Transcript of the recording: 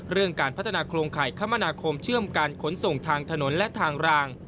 การพัฒนาโครงข่ายคมนาคมเชื่อมการขนส่งทางถนนและทางราง